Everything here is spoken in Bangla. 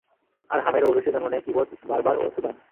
আর হামের ঔরসে জন্ম নেয় কিবত, বারবার ও সূদান।